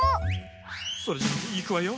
それじゃいくわよ。